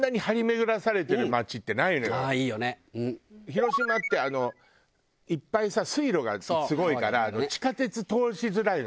広島っていっぱいさ水路がすごいから地下鉄通しづらいのよ。